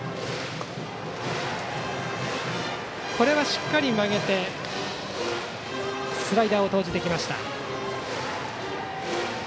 しっかり曲げてスライダーを投じました。